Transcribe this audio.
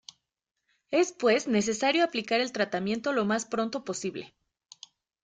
Es, pues, necesario aplicar el tratamiento lo más pronto posible.